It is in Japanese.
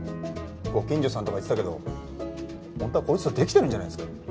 ご近所さんとか言ってたけど本当はこいつとデキてるんじゃないですか？